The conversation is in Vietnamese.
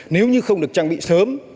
nếu như không được trang bị sớm